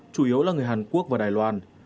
chủ yếu là người hàn quốc và đài loan